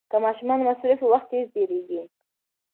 که ماشومان مصروف وي، وخت تېز تېریږي.